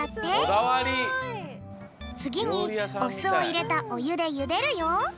つぎにおすをいれたおゆでゆでるよ。